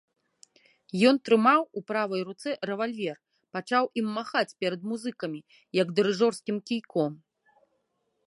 Ён трымаў у правай руцэ рэвальвер, пачаў ім махаць перад музыкамі, як дырыжорскім кійком.